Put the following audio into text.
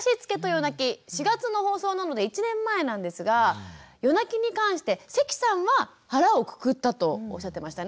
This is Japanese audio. ４月の放送なので１年前なんですが夜泣きに関して関さんは腹をくくったとおっしゃってましたね。